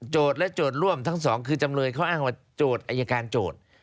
โจทย์ร่วมทั้งสองคือจำเลยเขาอ้างว่าโจทย์อายการโจทย์